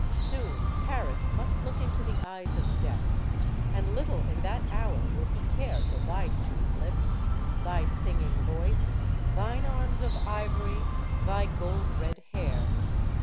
Soon Paris must look into the eyes of death. And little in that hour will he care for thy sweet lips, thy singing voice, thine arms of ivory, thy gold red hair.